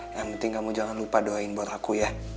yang penting kamu jangan lupa doain buat aku ya